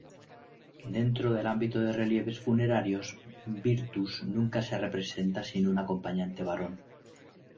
Dentro del ámbito de relieves funerarios, "Virtus" nunca se representa sin un acompañante varón.